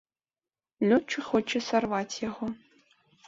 Лётчык хоча сарваць яго.